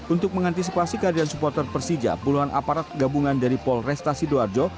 untuk mengantisipasi kehadiran supporter persija puluhan aparat gabungan dari polresta sidoarjo